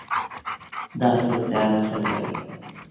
دا څوک ده او څه غواړي